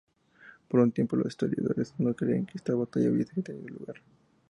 Por un tiempo los historiadores no creían que esta batalla hubiese tenido lugar.